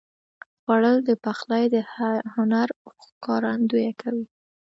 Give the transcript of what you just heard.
خوړل د پخلي د هنر ښکارندویي کوي